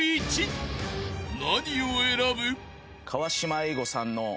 ［何を選ぶ？］